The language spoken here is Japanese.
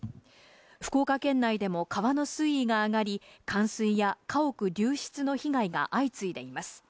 福岡県内でも、川の水位が上がり、冠水や家屋流失の被害が相次いでいます。